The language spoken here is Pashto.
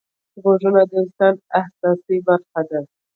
غوږونه د انسان حساسه برخه ده